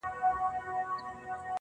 • که پنځه کسه راښکيل وي پردي غم کي,